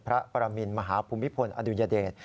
พระประมินมหาภูมิพลอดุญเดช